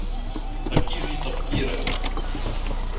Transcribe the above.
ركّزِ تفكيركِ.